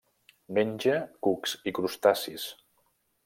Menja cucs i crustacis.